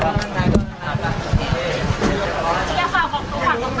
เจ้าของผมฝั่งตรงข้ามตรงนะว่าอะไรไหมครับ